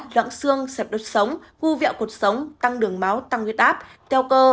loãng xương xẹp đốt sống gu vẹo cuộc sống tăng đường máu tăng huyết áp teo cơ